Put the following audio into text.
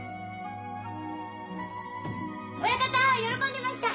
親方喜んでました！